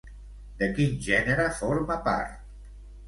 De quin gènere forma part?